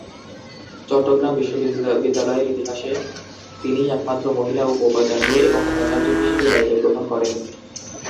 চট্টগ্রাম বিশ্ববিদ্যালয়ের ইতিহাসে তিনিই একমাত্র মহিলা উপ-উপাচার্য এবং উপাচার্য হিসেবে দায়িত্ব গ্রহণ করেন।